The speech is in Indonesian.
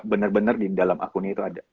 bener bener di dalam akunnya itu ada